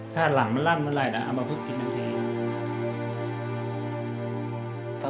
ถ้าหลังมันร่ำเมื่อไรนะเอามาพึกกินหนึ่งที